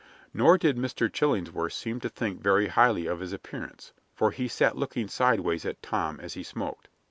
Nor did Mr. Chillingsworth seem to think very highly of his appearance, for he sat looking sideways at Tom as he smoked.